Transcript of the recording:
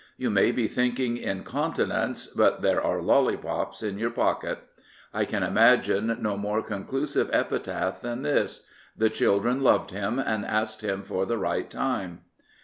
You may be thinking in continents, but there are lollipops in your pocket. I can imagine no more conclusive epitaph than this: " The children loved him, and asked him for the right time."